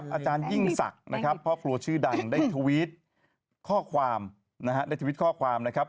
อาจารย์ยิ่งสักนะครับเพราะกลัวชื่อดังได้ทวีตข้อความนะครับ